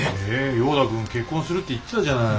ヨーダ君結婚するって言ってたじゃない。